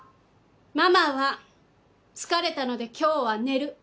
ママは疲れたので今日は寝る！